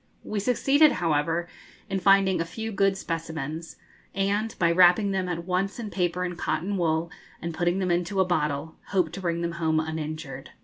We succeeded, however, in finding a few good specimens, and, by wrapping them at once in paper and cotton wool and putting them into a bottle, hope to bring them home uninjured.